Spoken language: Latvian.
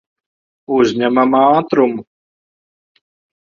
Uzņemam ātrumu.